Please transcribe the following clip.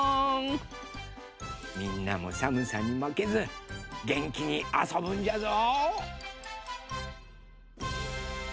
みんなもさむさにまけずげんきにあそぶんじゃぞ。